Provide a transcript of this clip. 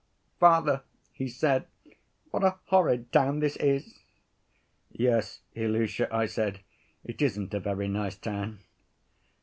'Father,' he said, 'what a horrid town this is.' 'Yes, Ilusha,' I said, 'it isn't a very nice town.